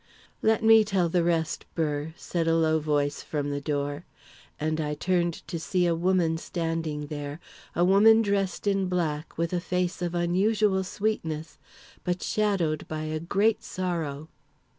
"Let me tell the rest, Burr," said a low voice from the door, and I turned to see a woman standing there a woman dressed in black, with a face of unusual sweetness, but shadowed by a great sorrow.